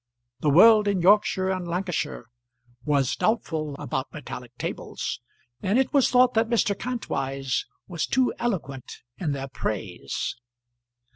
The world in Yorkshire and Lancashire was doubtful about metallic tables, and it was thought that Mr. Kantwise was too eloquent in their praise.